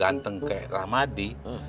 ganteng kaya rahmadi